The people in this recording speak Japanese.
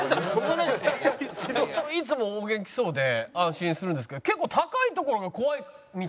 いつもお元気そうで安心するんですけど結構高い所が怖いみたいで。